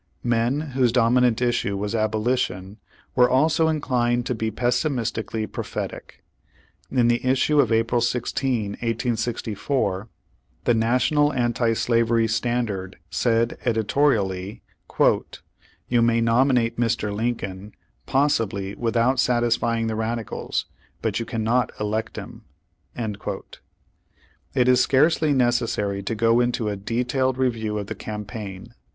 Men, whose dominant issue was abolition, were also inclined to be pessimistically prophetic. In its issue of April 16, 1864, the National Anti Slavery Standard said editorially: "You may nominate Mr. Lincoln, possibly, without satisfy ing the Radicals ; but you cannot elect him." It is scarcely necessary to go into a detailed re view of the campaign.